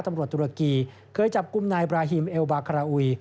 ตำรวจตุรกีเคยจับกุมนายบราฮิมเอลบากราอุย